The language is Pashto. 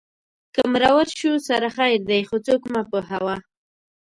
که مرور شو سره خیر دی خو څوک مه پوهوه